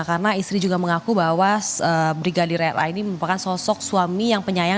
karena istri juga mengaku bahwa brigadir ra ini merupakan sosok suami yang penyayang